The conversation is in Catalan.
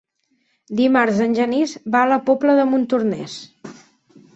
Dimarts en Genís va a la Pobla de Montornès.